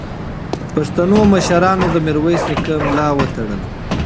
پښتنو مشرانو د میرویس نیکه ملا وتړله.